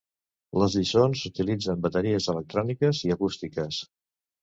Les lliçons utilitzen bateries electròniques i acústiques.